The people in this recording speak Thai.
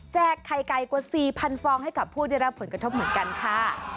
ไข่ไก่กว่า๔๐๐ฟองให้กับผู้ได้รับผลกระทบเหมือนกันค่ะ